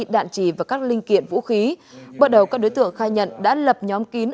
đạn trì và các linh kiện vũ khí bắt đầu các đối tượng khai nhận đã lập nhóm kín